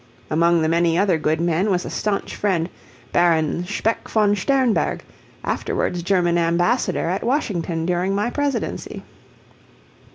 Among the many other good men was a stanch friend, Baron Speck von Sternberg, afterwards German Ambassador at Washington during my Presidency.